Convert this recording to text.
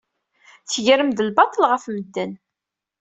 Tegrem-d lbaṭel ɣef medden.